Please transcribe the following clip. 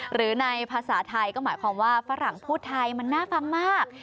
หรือในภาษาไทยก็หมายความว่าฝรั่งพูดไทยมันน่าฟังมาก